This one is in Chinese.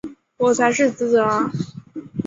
我才是姊姊啦！